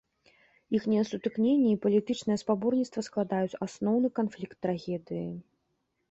Іхняе сутыкненне і палітычнае спаборніцтва складаюць асноўны канфлікт трагедыі.